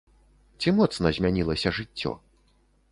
Ці моцна змянілася жыццё?